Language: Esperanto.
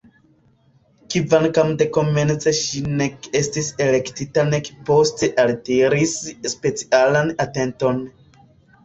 Kvankam dekomence ŝi nek estis elektita nek poste altiris specialan atenton.